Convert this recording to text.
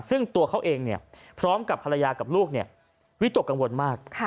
ซึ่งตัวเขาเองพร้อมกับภรรยากับลูกวิตกกังวลมาก